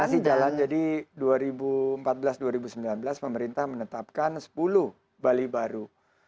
masih jalan jadi dua ribu empat belas dua ribu sembilan belas pemerintah menetapkan sepuluh bali baru